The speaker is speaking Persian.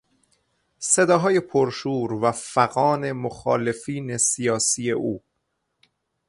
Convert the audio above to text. صداهای پرشور و فغان مخالفین سیاسی او